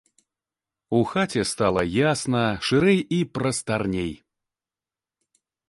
У хаце стала ясна, шырэй і прастарней.